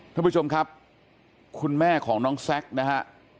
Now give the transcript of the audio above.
ท่านผู้ชมครับคุณแม่ของน้องแซคนะฮะ